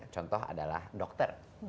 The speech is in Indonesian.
contoh adalah dokter